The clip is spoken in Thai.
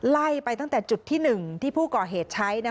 ไล่ไปตั้งแต่จุดที่๑ที่ผู้ก่อเหตุใช้